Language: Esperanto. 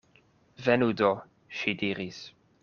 Venu do, ŝi diris.